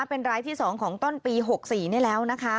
เป็นรายที่๒ของต้นปี๖๔นี่แล้วนะคะ